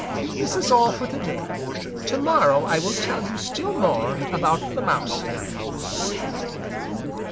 This is all for to day. To morrow I will tell you still more about the Mouse family."